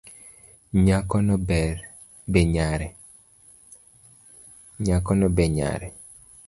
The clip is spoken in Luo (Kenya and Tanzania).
Nyakono be nyare